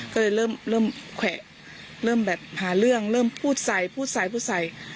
ก็เลยเริ่มแขวะเริ่มแบบหาเรื่องเริ่มพูดใส่พูดใส่พูดใส่